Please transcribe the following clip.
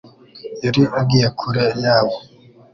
yari agiye kure yabo